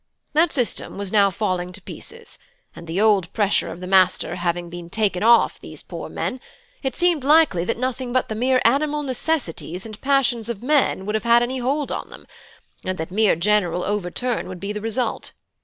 That system was now falling to pieces, and the old pressure of the master having been taken off these poor men, it seemed likely that nothing but the mere animal necessities and passions of men would have any hold on them, and that mere general overturn would be the result.